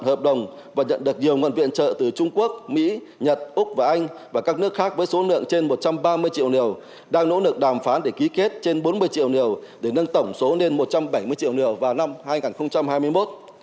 hợp đồng và nhận được nhiều nguồn viện trợ từ trung quốc mỹ nhật úc và anh và các nước khác với số lượng trên một trăm ba mươi triệu liều đang nỗ lực đàm phán để ký kết trên bốn mươi triệu liều để nâng tổng số lên một trăm bảy mươi triệu liều vào năm hai nghìn hai mươi một